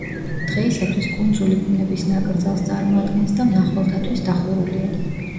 დღეისათვის კუნძული ბუნების ნაკრძალს წარმოადგენს და მნახველთათვის დახურულია.